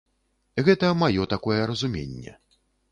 Гэта маё такое разуменне.